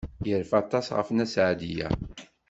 Yerfa aṭas ɣef Nna Seɛdiya.